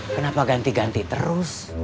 kenapa ganti ganti terus